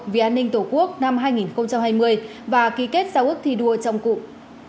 vì an ninh tổ quốc năm hai nghìn hai mươi và ký kết sau ước thi đua trong cụng